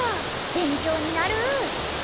勉強になる。